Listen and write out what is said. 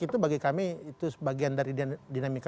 itu bagi kami itu sebagian dari dinamika